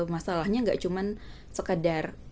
masalahnya gak cuman sekedar